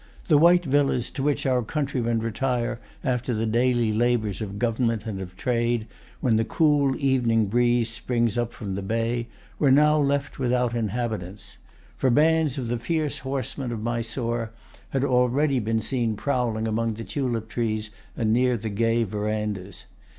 The white villas, to which our countrymen retire after the daily labors of government and of trade, when the cool evening breeze springs up from the bay, were now left without inhabitants; for bands of the fierce horsemen of Mysore had already been seen prowling among the tulip trees, and near the gay verandas.